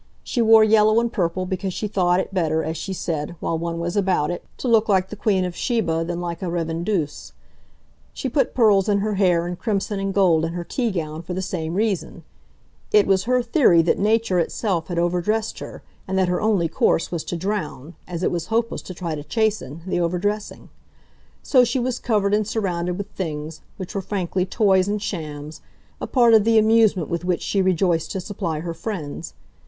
She wore yellow and purple because she thought it better, as she said, while one was about it, to look like the Queen of Sheba than like a revendeuse; she put pearls in her hair and crimson and gold in her tea gown for the same reason: it was her theory that nature itself had overdressed her and that her only course was to drown, as it was hopeless to try to chasten, the overdressing. So she was covered and surrounded with "things," which were frankly toys and shams, a part of the amusement with which she rejoiced to supply her friends.